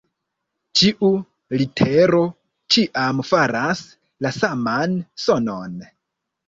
Ĉiu litero ĉiam faras la saman sonon.